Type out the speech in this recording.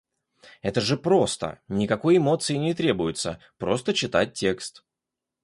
Это же просто, никакой эмоции не требуется, просто читать текст.